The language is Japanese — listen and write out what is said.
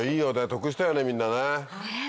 得したよねみんなね。